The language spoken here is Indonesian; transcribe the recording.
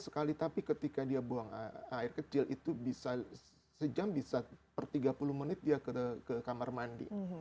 sekali tapi ketika dia buang air kecil itu bisa sejam bisa per tiga puluh menit dia ke kamar mandi